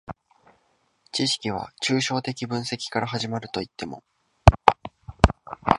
知識は抽象的分析から始まるといっても、